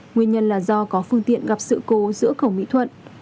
nguyên nhân là do có phương tiện gặp sự cố giữa cầu mỹ thuận